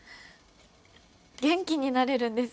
元気になれるんです。